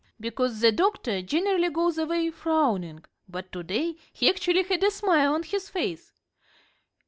"Because the doctor generally goes away frowning, but to day he actually had a smile on his face.